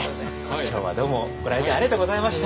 今日はどうもご来店ありがとうございました。